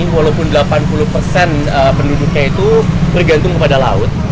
walaupun delapan puluh persen penduduknya itu bergantung kepada laut